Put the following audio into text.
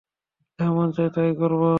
যা মন চায় তাই করব।